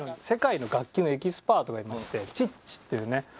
世界の楽器のエキスパートがいまして「ちっち」っていうね。